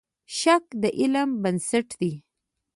شک د علم بنسټ دی.